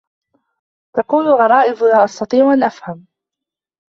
تقول غرائب، لا أستطيع أن أفهم.